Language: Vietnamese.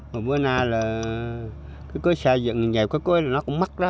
mà bữa nay là cái cưới xây dựng nhiều cái cưới nó cũng mắc đó